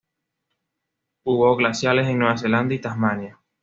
Hubo glaciares en Nueva Zelanda y Tasmania.